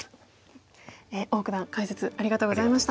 王九段解説ありがとうございました。